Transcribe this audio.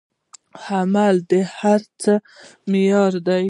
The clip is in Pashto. عمل د هر څه معیار دی.